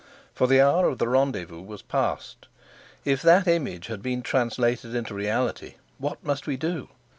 For the hour of the rendezvous was past. If that image had been translated into reality, what must we do?